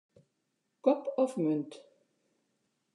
Kop of munt.